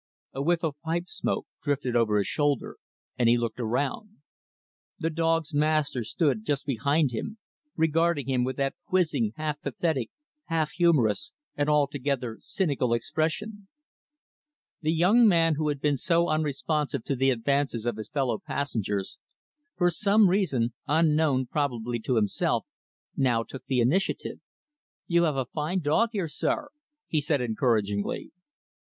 A whiff of pipe smoke drifted over his shoulder, and he looked around. The dog's master stood just behind him; regarding him with that quizzing, half pathetic, half humorous, and altogether cynical expression. The young man who had been so unresponsive to the advances of his fellow passengers, for some reason unknown, probably, to himself now took the initiative. "You have a fine dog here, sir," he said encouragingly.